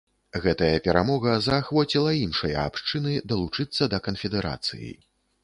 Гэтая перамога заахвоціла іншыя абшчыны далучыцца да канфедэрацыі.